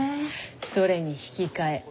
それに引き換え。